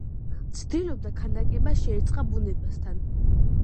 ცდილობდა ქანდაკება შეერწყა ბუნებასთან.